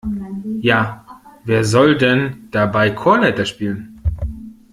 Ja, wer soll denn dabei Chorleiter spielen?